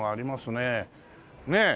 ねえ。